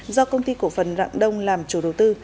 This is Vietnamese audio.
do công ty cổ phần rạng đông làm chủ đầu tư